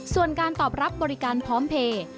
ส่วนการตอบรับบริการพร้อมเพลย์